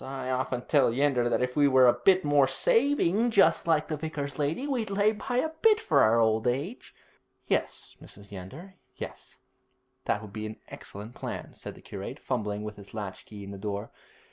I often tell Yeander that if we were a bit more saving, like the vicar's lady, we'd lay by a bit for our old age.' 'Yes, Mrs. Yeander, yes; that would be an excellent plan,' said the curate, fumbling with his latch key in the door.